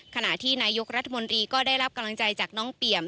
ขณะที่นายกรัฐมนตรีก็ได้รับกำลังใจจากน้องเปี่ยม